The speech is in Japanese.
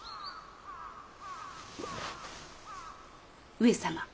上様。